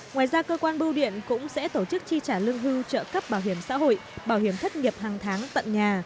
ngoài ra cơ quan bưu điện cũng sẽ tổ chức chi trả lương hưu trợ cấp bảo hiểm xã hội bảo hiểm thất nghiệp hàng tháng tận nhà